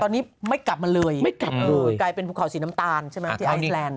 ตอนนี้ไม่กลับมาเลยไม่กลับเลยกลายเป็นภูเขาสีน้ำตาลใช่ไหมที่ไอซแลนด